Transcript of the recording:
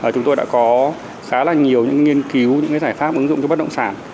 chúng tôi đã có khá là nhiều những nghiên cứu những giải pháp ứng dụng cho bất động sản